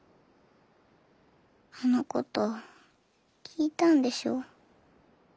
あのこと聞いたんでしょ？